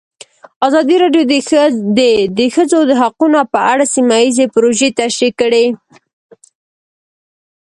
ازادي راډیو د د ښځو حقونه په اړه سیمه ییزې پروژې تشریح کړې.